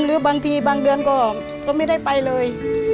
หรือบางทีบางเดือนก็ไม่ได้ไปเลย